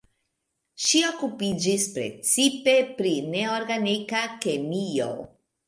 Ŝi okupiĝis precipe pri neorganika kemio.